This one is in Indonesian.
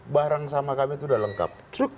barang sama kami itu sudah lengkap